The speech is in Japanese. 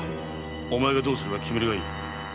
お前がどうするか決めるがいい。